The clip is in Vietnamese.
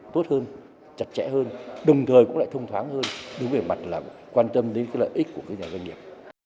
tốt hơn chặt chẽ hơn đồng thời cũng lại thông thoáng hơn đối với mặt quan tâm đến lợi ích của các doanh nghiệp